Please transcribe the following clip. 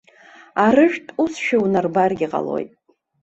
Арыжәтә усшәа унарбаргьы ҟалоит.